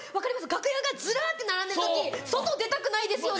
楽屋がずらって並んでる時外出たくないですよね。